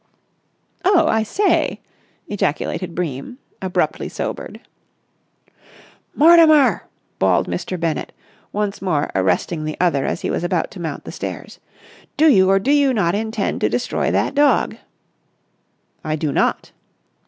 "Oh, I say!" ejaculated Bream, abruptly sobered. "Mortimer!" bawled Mr. Bennett, once more arresting the other as he was about to mount the stairs. "Do you or do you not intend to destroy that dog?" "I do not."